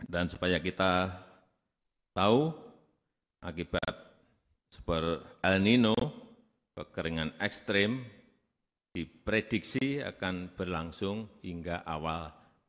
dan supaya kita tahu akibat sebuah el nino kekeringan ekstrim diprediksi akan berlangsung hingga awal dua ribu dua puluh empat